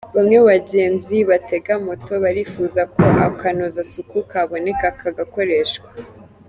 Bamwe mu bagenzi batega moto barifuza ko akanozasuku kaboneka kagakoreshwa